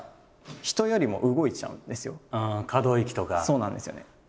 そうなんですよね。